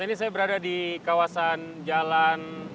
ini saya berada di kawasan jalan